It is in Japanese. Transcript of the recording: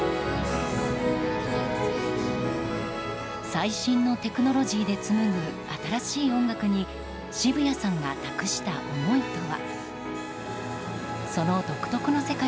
最新のテクノロジーで紡ぐ新しい音楽に渋谷さんが託した思いとは。